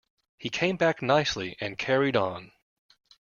He came back nicely and carried on.